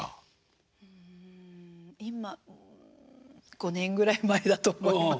５年ぐらい前だと思います。